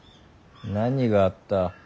何があった。